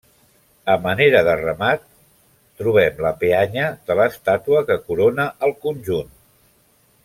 A manera de remat trobem la peanya de l'estàtua que corona el conjunt.